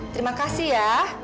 terima kasih ya